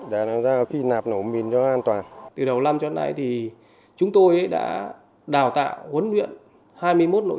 để làm ra khi nạp nổ mìn cho an toàn từ đầu năm cho nay thì chúng tôi đã đào tạo huấn luyện hai mươi một nội